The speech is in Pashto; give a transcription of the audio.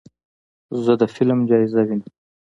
زه د فلم جایزه وینم.